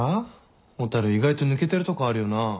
蛍意外と抜けてるとこあるよな。